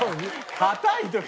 「硬い」とか。